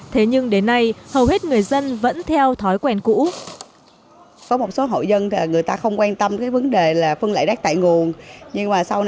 thế nhưng đến nay hầu hết người dân vẫn theo thói quen cũ